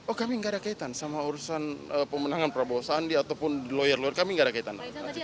oh kami nggak ada kaitan sama urusan pemenangan prabowo sandi ataupun di lawyer lawyer kami gak ada kaitan